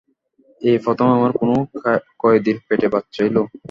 এই প্রথম আমার কোন কয়েদীর পেটে বাচ্চা এলো।